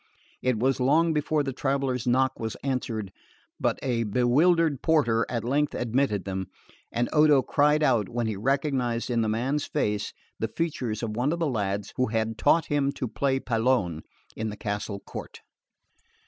It was long before the travellers' knock was answered, but a bewildered porter at length admitted them, and Odo cried out when he recognised in the man's face the features of one of the lads who had taught him to play pallone in the castle court.